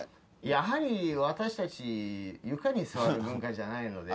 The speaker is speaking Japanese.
やはり、私たち、床に座る文化じゃないので。